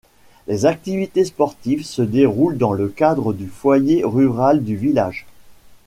Les activités sportives se déroulent dans le cadre du Foyer Rural du village.